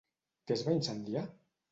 Què es va incendiar?